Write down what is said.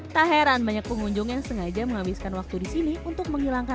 tak heran banyak pengunjung yang sengaja menghabiskan waktu di sini untuk menghilangkan